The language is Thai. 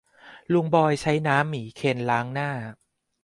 ลุงบอยใช้น้ำหมีเคนล้างหน้า